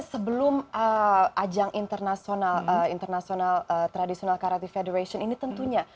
sebelum ajang internasional international tradisional karate federation ini tentunya